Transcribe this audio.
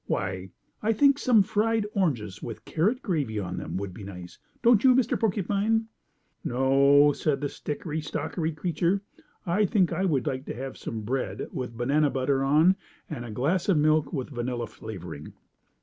Why, I think some fried oranges with carrot gravy on them would be nice, don't you, Mr. Porcupine?" "No," said the stickery stockery creature. "I think I would like to have some bread with banana butter on and a glass of milk with vanilla flavoring."